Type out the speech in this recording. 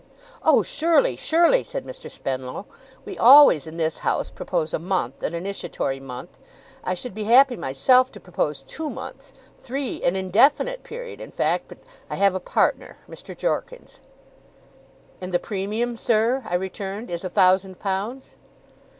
'Oh surely! surely!' said Mr. Spenlow. 'We always, in this house, propose a month an initiatory month. I should be happy, myself, to propose two months three an indefinite period, in fact but I have a partner. Mr. Jorkins.' 'And the premium, sir,' I returned, 'is a thousand pounds?